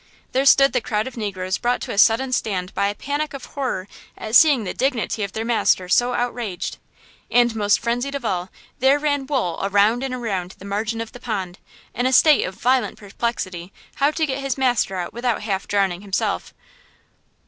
There stood the crowd of negroes brought to a sudden stand by a panic of horror at seeing the dignity of their master so outraged! And, most frenzied of all, there ran Wool around and around the margin of the pond, in a state of violent perplexity how to get his master out without half drowning himself!